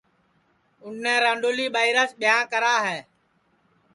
اُنے رانڈؔولی ٻائیراس ٻیاں کرا ہے